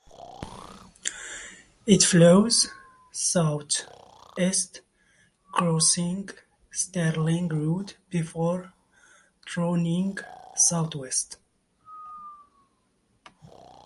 It flows southeast, crossing Stirling Road, before turning southwest.